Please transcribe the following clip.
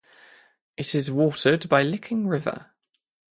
It is watered by Licking River.